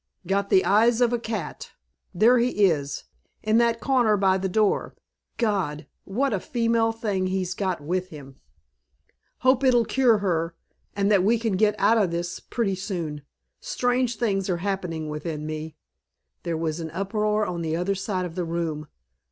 "Got the eyes of a cat. There he is in that corner by the door. God! What a female thing he's got with him." "Hope it'll cure her and that we can get out of this pretty soon. Strange things are happening within me." There was an uproar on the other side of the room.